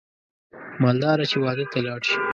مالداره چې واده ته لاړ شي